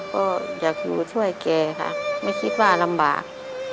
ก็อยากอยู่ช่วยแกค่ะไม่คิดว่าลำบาก